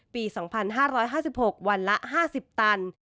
ปี๒๕๕๖วันละ๕๐ตัน